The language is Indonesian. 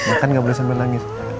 makan gak boleh sampe nangis